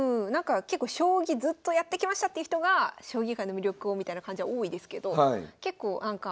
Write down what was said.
なんか結構将棋ずっとやってきましたっていう人が将棋界の魅力をみたいな感じは多いですけど。